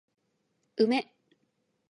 梅